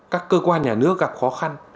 các cơ quan nhà nước gặp khó khăn